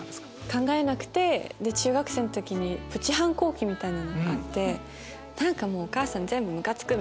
考えなくて中学生の時にプチ反抗期みたいなのがあって何かお母さん全部ムカつく！